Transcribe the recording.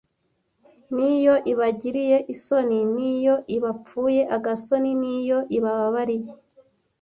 N’iyo ibagiriye isoni: N’iyo ibapfuye agasoni, n’iyo ibababariye.